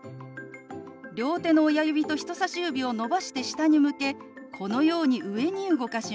両手の親指と人さし指を伸ばして下に向けこのように上に動かします。